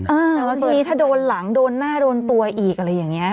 แต่ว่าทีนี้ถ้าโดนหลังโดนหน้าโดนตัวอีกอะไรอย่างนี้